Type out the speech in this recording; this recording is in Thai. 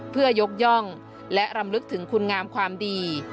เพื่อยกย่องและรำลึกถึงคุณงามความดี